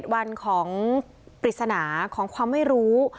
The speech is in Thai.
วันของปริศนาของความไม่รู้